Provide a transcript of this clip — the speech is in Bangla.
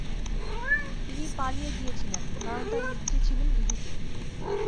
তিনি পালিয়ে গিয়েছিলেন, কারণ তার স্ত্রী ছিলেন ইহুদি।